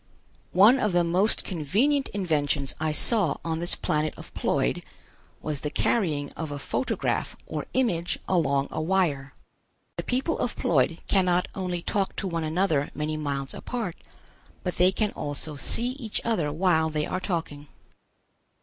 One of the most convenient inventions I saw on this planet of Ploid was the carrying of a photograph or image along a wire. The people of Ploid cannot only talk to one another many miles apart, but they can also see each other while they are talking.